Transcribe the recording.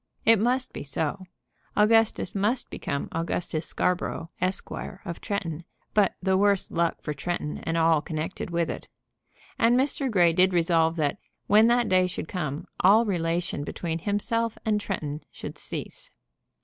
It must be so. Augustus must become Augustus Scarborough, Esquire, of Tretton, but the worse luck for Tretton and all connected with it. And Mr. Grey did resolve that, when that day should come, all relation between himself and Tretton should cease.